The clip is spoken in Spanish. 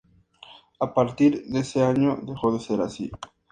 A partir de ese año dejó de ser así.